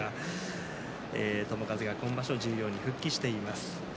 友風が今場所十両に復帰しています。